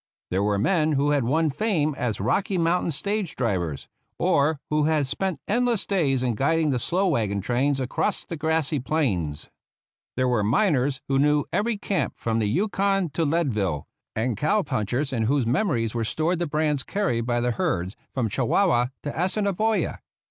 There were men who had won fame as Rocky Mountain stage drivers, or who had spent endless days in guiding the slow wagon trains across the grassy plains. There were min ers who knew every camp from the Yukon to Leadville, and cow punchers in whose memories were stored the brands carried by the herds from Chihuahua to Assiniboia.